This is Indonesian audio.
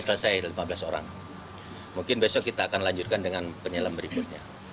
mereka juga berfokus untuk mencari penumpang dan serpihan pesawat